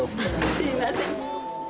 すいません。